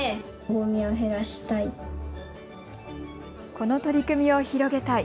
この取り組みを広げたい。